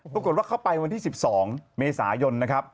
เข้าไปวันที่๑๒เมษายนนะครับ